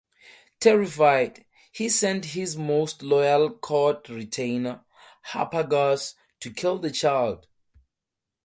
Terrified, he sent his most loyal court retainer, Harpagus, to kill the child.